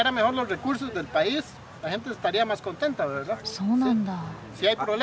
そうなんだ。